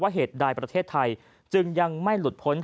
เหตุใดประเทศไทยจึงยังไม่หลุดพ้น